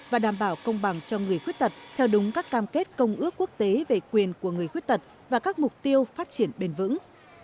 và đảm bảo công bằng cho người khuyết tật theo đúng các cam kết công ước quốc tế về quyền của người khuyết tật và các mục tiêu phát triển bền vững